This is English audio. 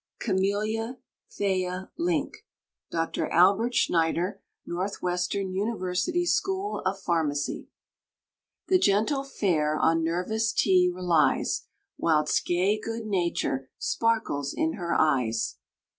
Camellia Thea Link. DR. ALBERT SCHNEIDER, Northwestern University School of Pharmacy. The gentle fair on nervous tea relies, Whilst gay good nature sparkles in her eyes.